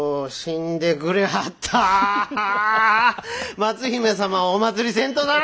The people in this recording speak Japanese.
松姫様をおまつりせんとなぁ！